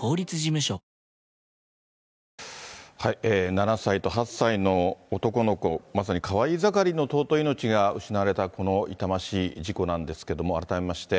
７歳と８歳の男の子、まさにかわいいざかりの尊い命が失われたこの痛ましい事故なんですけれども、改めまして。